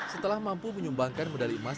setelah mampu menyumbangkan medali emas